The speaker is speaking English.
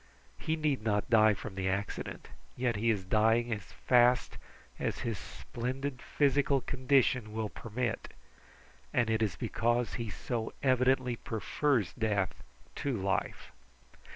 "He need not die from the accident, yet he is dying as fast as his splendid physical condition will permit, and it is because he so evidently prefers death to life.